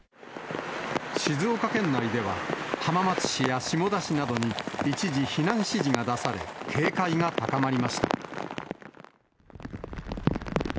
静岡県内では、浜松市や下田市などに一時、避難指示が出され、警戒が高まりました。